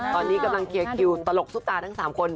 ตอนนี้กำลังเคลียร์คิวตลกซุปตาทั้ง๓คน